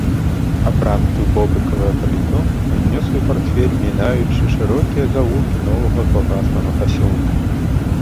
Апрануты ў бобрыкавае паліто, ён нёс свой партфель, мінаючы шырокія завулкі новага калгаснага пасёлка.